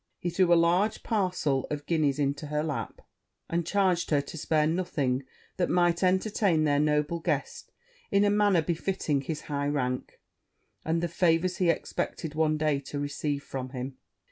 He threw a large parcel of guineas into her lap; and charged her to spare nothing that might entertain their noble guest in a manner befitting his high rank, and the favours he expected one day to receive from him.